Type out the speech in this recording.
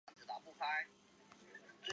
以下声韵调系统以武义老派城里话为准。